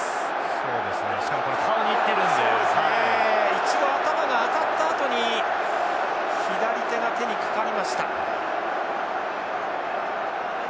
一度頭が当たったあとに左手が顔にかかりました。